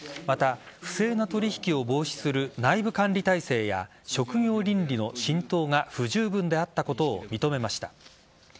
また、不正な取引を防止する内部管理体制や職業倫理の浸透が不十分であったことを認めました。